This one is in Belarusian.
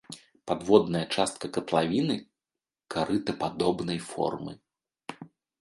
Падводная частка катлавіны карытападобнай формы.